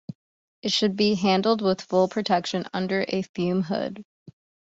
It should be handled with full protection under a fume hood.